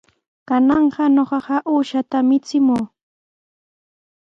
Kanan ñuqapa uushaata michimuy.